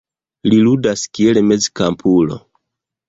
Li ludas kiel mezkampulo.